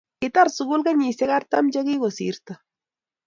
Kitar sukul kenyisiek artam che kiko sirto